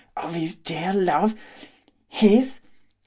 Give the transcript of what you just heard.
of his dear love! his!